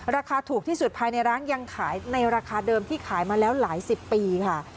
ราคาถูกที่สุดภายในร้านยังขายในราคาเดิมที่ขายมาแล้วหลายสิบปีค่ะ